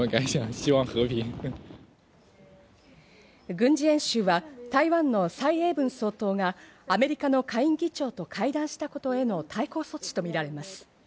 軍事演習は台湾のサイ・エイブン総統がアメリカの下院議長と会談したことへの対抗措置とみられます。